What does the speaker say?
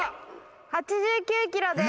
８９キロです。